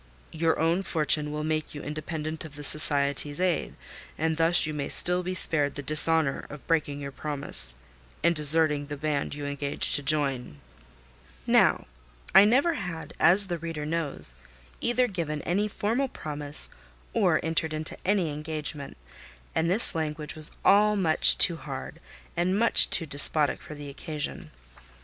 Your own fortune will make you independent of the Society's aid; and thus you may still be spared the dishonour of breaking your promise and deserting the band you engaged to join." Now I never had, as the reader knows, either given any formal promise or entered into any engagement; and this language was all much too hard and much too despotic for the occasion.